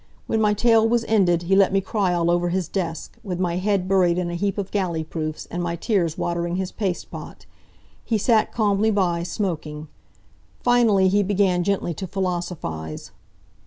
When my tale was ended he let me cry all over his desk, with my head buried in a heap of galley proofs and my tears watering his paste pot. He sat calmly by, smoking. Finally he began gently to philosophize.